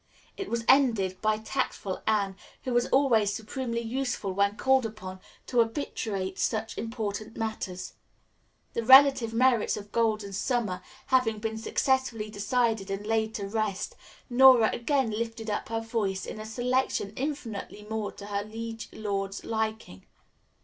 It was ended by tactful Anne, who was always supremely useful when called upon to arbitrate such important matters. The relative merits of "Golden Summer" having been successfully decided and laid to rest, Nora again lifted up her voice in a selection infinitely more to her liege lord's liking.